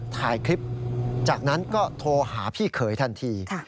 ถ่ายคลิปจากนั้นก็โทรหาพี่เขยทันที